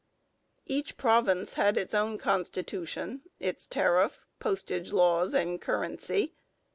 Each province had its own constitution, its tariff, postage laws, and currency.